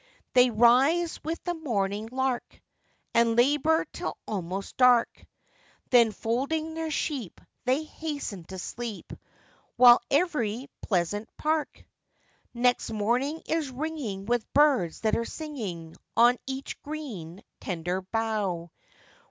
They rise with the morning lark, And labour till almost dark; Then folding their sheep, they hasten to sleep; While every pleasant park Next morning is ringing with birds that are singing, On each green, tender bough.